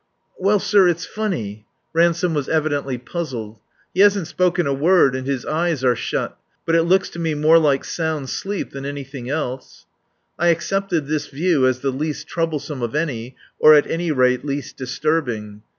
"Well, sir it's funny," Ransome was evidently puzzled. "He hasn't spoken a word, and his eyes are shut. But it looks to me more like sound sleep than anything else." I accepted this view as the least troublesome of any, or at any rate, least disturbing.